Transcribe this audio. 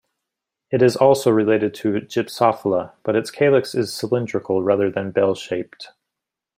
It is also related to "Gypsophila", but its calyx is cylindrical rather than bell-shaped.